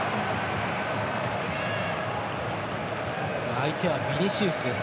相手はビニシウスです。